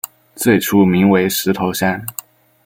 最初名为石头山。